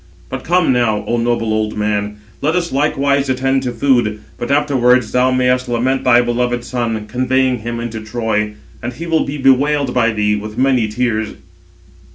But come now, O noble old man, let us likewise attend to food, but afterwards thou mayest lament thy beloved son, conveying him into Troy; and he will be bewailed by thee with many tears."